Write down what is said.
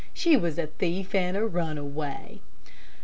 She was a thief and a runaway."